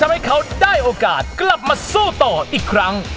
ให้เขาได้โอกาสกลับมาสู้ต่ออีกครั้ง